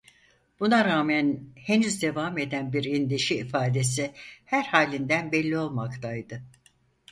Buna rağmen henüz devam eden bir endişe ifadesi her halinden belli olmaktaydı.